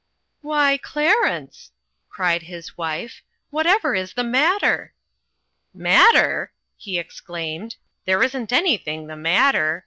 "Why, Clarence," cried his wife, "whatever is the matter?" "Matter!" he exclaimed. "There isn't anything the matter!